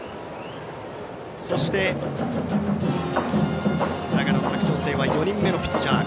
そして長野・佐久長聖は４人目のピッチャー。